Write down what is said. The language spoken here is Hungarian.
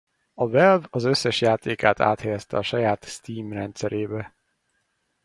A Valve az összes játékát áthelyezte a saját Steam rendszerébe.